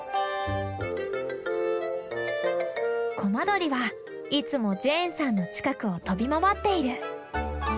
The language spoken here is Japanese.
コマドリはいつもジェーンさんの近くを飛び回っている。